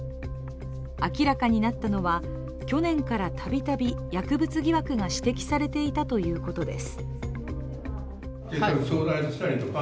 明らかになったのは、去年から度々薬物疑惑が指摘されていたということです。